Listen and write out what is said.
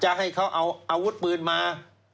ให้เขาเอาอาวุธปืนมา